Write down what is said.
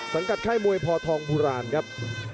สังกัดไข้มวยพอทองภูราณครับ